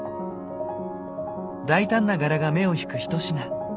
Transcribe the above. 大胆な柄が目を引くひと品。